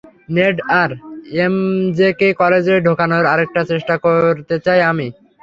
নেড আর এমজেকে কলেজে ঢোকানোর আরেকটা চেষ্টা করতে চাই আমি।